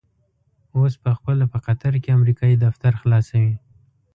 اوس په خپله په قطر کې امريکايي دفتر خلاصوي.